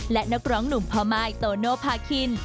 และนักร้องหนุ่มพ่อมายโตโนภาคิน